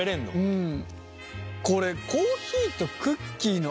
うん。